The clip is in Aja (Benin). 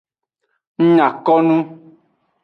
Ng nya ko nu.